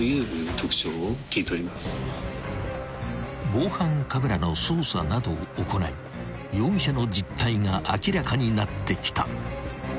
［防犯カメラの捜査などを行い容疑者の実態が明らかになってきた］